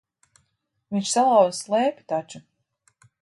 Viņš salauza slēpi taču.